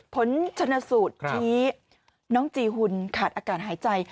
ผลชนะสูตรชี้น้องจีหุ่นขาดอากาศหายใจ